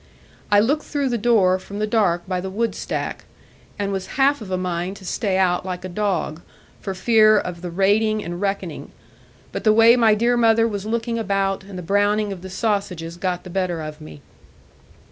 I looked through the door from the dark by the wood stack, and was half of a mind to stay out like a dog, for fear of the rating and reckoning; but the way my dear mother was looking about and the browning of the sausages got the better of me.